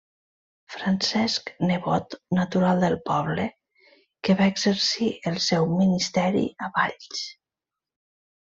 Francesc Nebot, natural del poble, que va exercir el seu ministeri a Valls.